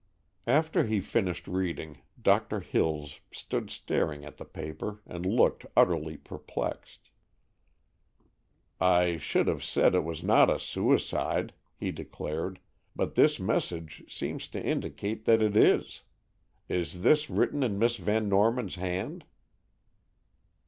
After he finished reading, Doctor Hills stood staring at the paper, and looked utterly perplexed. "I should have said it was not a suicide," he declared, "but this message seems to indicate that it is. Is this written in Miss Van Norman's hand?"